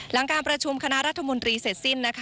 หลังการประชุมคณะรัฐมนตรีเสร็จสิ้นนะคะ